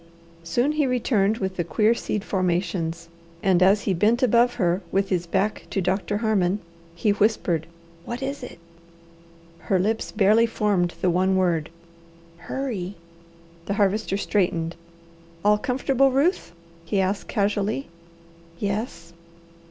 Soon he returned with the queer seed formations, and as he bent above her, with his back to Doctor Harmon, he whispered, "What is it?" Her lips barely formed the one word, "Hurry!" The Harvester straightened. "All comfortable, Ruth?" he asked casually. "Yes."